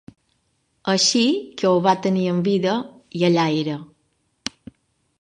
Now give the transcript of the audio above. Així que ho va tenir en vida, i allà era!